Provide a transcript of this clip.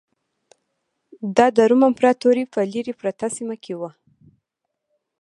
دا د روم امپراتورۍ په لرې پرته سیمه کې و